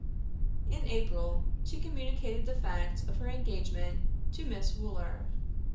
In April she communicated the fact of her engagement to Miss Wooler.